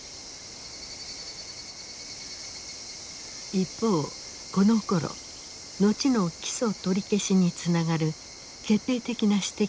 一方このころ後の起訴取り消しにつながる決定的な指摘をした人物がいた。